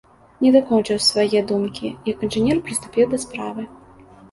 Не дакончыў свае думкі, як інжынер прыступіў да справы.